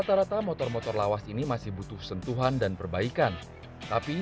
juga memiliki motor motor yang lebih mudah untuk dihubungi dengan motor motor lainnya dan juga untuk